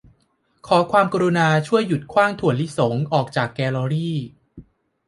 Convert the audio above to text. ขอความกรุณาช่วยหยุดขว้างถั่วลิสงออกจากแกลเลอรี